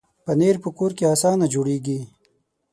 پنېر په کور کې اسانه جوړېږي.